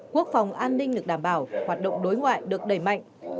quốc phòng an ninh được đảm bảo hoạt động đối ngoại được đẩy mạnh